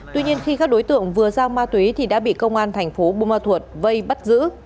tuy nhiên khi các đối tượng vừa giao ma túy thì đã bị công an thành phố bùa ma thuột vây bắt giữ